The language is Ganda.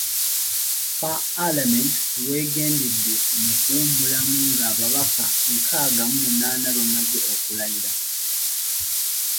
PaAlamenti w’egendedde mu kuwummulamu ng’ababaka nkaaga mu munaana bamaze okulayira.